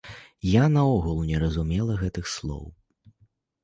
Я наогул не разумела гэтых слоў.